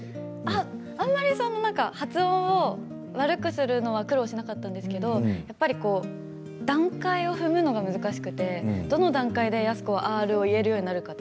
あまり発音を悪くするのは苦労しなかったんですけど段階を踏むのが難しくてどの段階で安子はＲを言えるようになるのか。